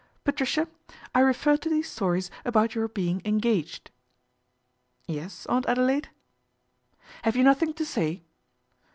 " Patricia, I refer to these stories about your being engaged." " Yes, Aunt Adelaide ?"" Have you nothing to say